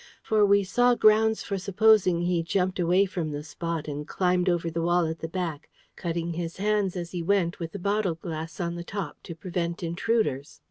For we saw grounds for supposing he jumped away from the spot, and climbed over the wall at the back, cutting his hands as he went with the bottle glass on the top to prevent intruders.